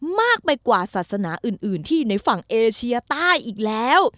มากไปกว่าศาสนาอื่นที่ในฝั่งเอเชียใต้อีกแล้ว